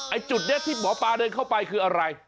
จุดนี้ที่หมอปลาเดินเข้าไปคืออะไร